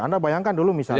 anda bayangkan dulu misalnya